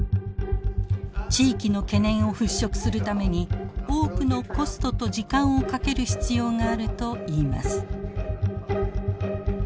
地域の懸念を払拭するために多くのコストと時間をかける必要があるといいます。